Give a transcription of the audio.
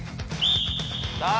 さあ。